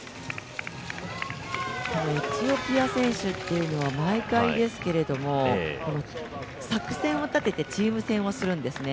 エチオピア選手というのは毎回ですけれども作戦を立ててチーム戦をするんですね。